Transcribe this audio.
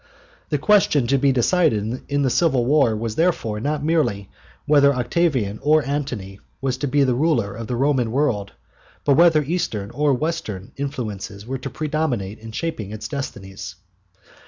The question to be decided in the civil war was therefore not merely whether Octavian or Antony was to be the ruler of the Roman world, but whether Eastern or Western influences were to predominate in shaping its destinies.